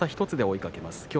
１つで追いかけます。